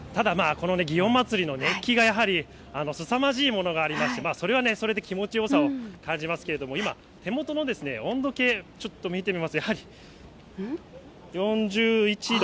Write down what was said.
この祇園祭の熱気が、すさまじいものがありまして、それはそれで気持ちよさを感じますけれども、今、手元の温度計ちょっと見てみますと、４１度。